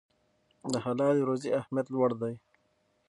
د حلالې روزي اهمیت لوړ دی.